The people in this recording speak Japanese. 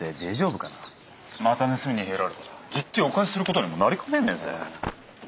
また盗みに入られたら十手をお返しする事にもなりかねねえぜ。